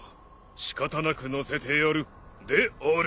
仕方なく乗せてやるである。